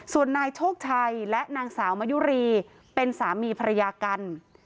ส่วนนายโชคชัยและนางสาวมะยุรีเป็นสามีภรรยากัน